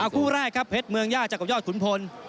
คู่แรกครับเพชรเมืองย่าจากกับยอดขุนพล